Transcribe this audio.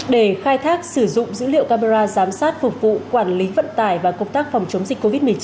để khai thác sử dụng dữ liệu camera giám sát phục vụ quản lý vận tải và công tác phòng chống dịch covid một mươi chín